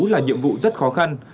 là nhiệm vụ rất khó khăn